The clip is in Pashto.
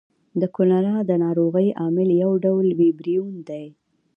د کولرا د نارغۍ عامل یو ډول ویبریون دی.